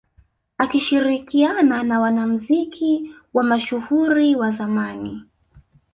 Akishirikiana na wanamuziki wa mashuhuri wa zamani